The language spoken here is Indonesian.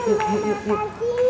kamu mau pesen apa sayang